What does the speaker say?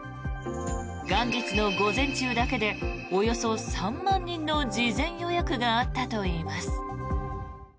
元日の午前中だけでおよそ３万人の事前予約があったといいます。